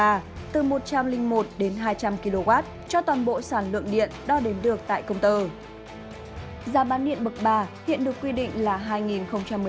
à đúng điện giá cao nhà của biệt không phải điện nhà dân đúng không